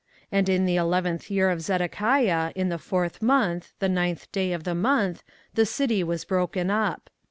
24:039:002 And in the eleventh year of Zedekiah, in the fourth month, the ninth day of the month, the city was broken up.